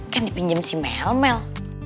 kan dipinjam si melmel